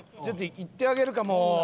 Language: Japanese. ちょっと行ってあげるかもう。